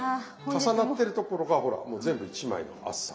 重なってるところがほらもう全部１枚の厚さ。